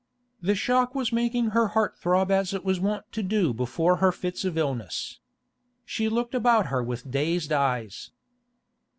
The shock was making her heart throb as it was wont to do before her fits of illness. She looked about her with dazed eyes.